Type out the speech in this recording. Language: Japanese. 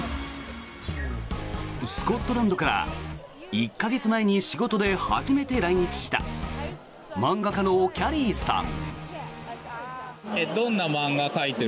スコットランドから１か月前に仕事で初めて来日した漫画家のキャリーさん。